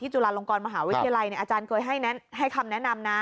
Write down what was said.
จุฬาลงกรมหาวิทยาลัยอาจารย์เคยให้คำแนะนำนะ